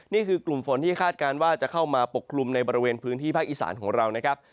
นี่คือกลุ่มฝนที่คาดการณ์ว่าจะเข้ามาปกคลุมในบริเวณพื้นที่ภาคอีสานของเรานะครับ